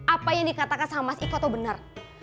apa yang dikatakan sama mas iko itu benar